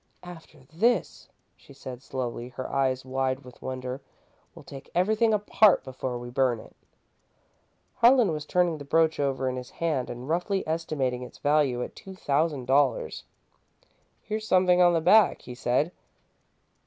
"After this," she said, slowly, her eyes wide with wonder, "we'll take everything apart before we burn it." Harlan was turning the brooch over in his hand and roughly estimating its value at two thousand dollars. "Here's something on the back," he said.